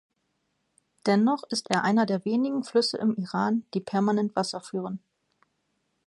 Dennoch ist er einer der wenigen Flüsse im Iran, die permanent Wasser führen.